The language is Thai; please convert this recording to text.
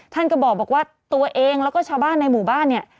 ท่านก็บอกว่าตัวเองแล้วก็ชาวบ้านในหมู่บ้านเนี่ย